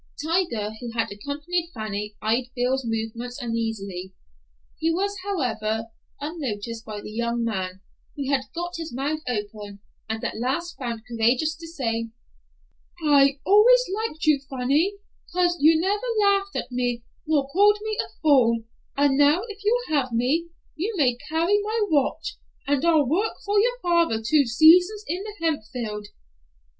Tiger, who had accompanied Fanny, eyed Bill's movements uneasily. He was, however, unnoticed by the young man, who had got his mouth open, and at last found courage to say, "I always liked you, Fanny, 'cause you never laughed at me, nor called me a fool, and now if you'll have me, you may carry my watch, and I'll work for your father two seasons in the hemp field."